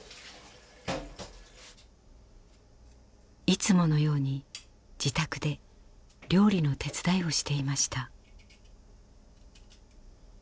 いつものように自宅で料理の手伝いをしていました。